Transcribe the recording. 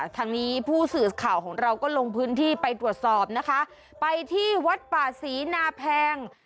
ทางนี้ผู้สื่อข่าวของเราก็ลงพื้นที่ไปตรวจสอบนะคะไปที่วัดป่าศรีนาแพง